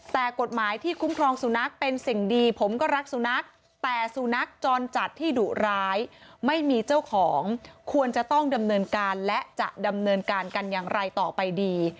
แต่กฎหมายที่คุ้มครองสุนัขเป็นสิ่งดีผมก็รักสุนัขแต่สุนัขจรจัดที่ดุร้ายไม่มีเจ้าของควรจะต้องดำเนินการและจะดำเนินการกันอย่างไรต่อไปดี